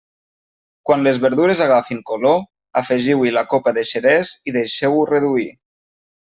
Quan les verdures agafin color, afegiu-hi la copa de xerès i deixeu-ho reduir.